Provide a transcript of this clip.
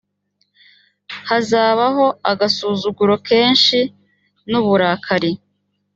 hazabaho agasuzuguro kenshi n uburakari